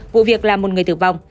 vụ việc là một người tử vong